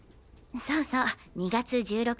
そうそう２月１６日。